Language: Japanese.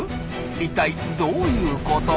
一体どういうこと？